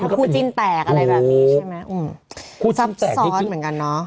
คู่จิ้นแตกอะไรแบบนี้ใช่ไหมอืมคู่ซับแทรกซ้อนเหมือนกันเนอะ